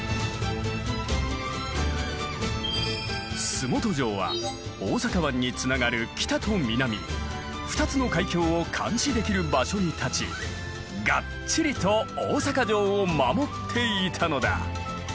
洲本城は大阪湾につながる北と南２つの海峡を監視できる場所に立ちがっちりと大坂城を守っていたのだ。